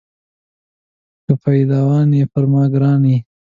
که پایدوان یې پر ما ګران یې.